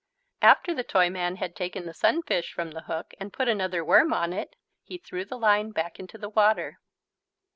After the Toyman had taken the sunfish from the hook and put another worm on it, he threw the line back into the water.